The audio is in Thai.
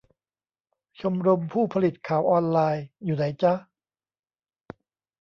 ชมรมผู้ผลิตข่าวออนไลน์ อยู่ไหนจ๊ะ ?